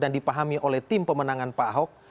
dan dipahami oleh tim pemenangan pak ahok